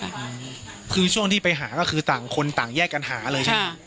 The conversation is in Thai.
ปกติพี่สาวเราเนี่ยครับเป็นคนเชี่ยวชาญในเส้นทางป่าทางนี้อยู่แล้วหรือเปล่าครับ